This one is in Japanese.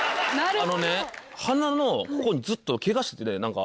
あのね鼻のここにずっとケガしててなんか。